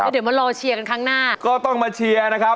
เดี๋ยวมารอเชียร์กันครั้งหน้า